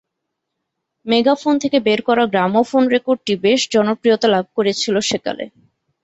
Megaphone থেকে বের করা গ্রামোফোন রেকর্ডটি বেশ জনপ্রিয়তা লাভ করেছিল সেকালে।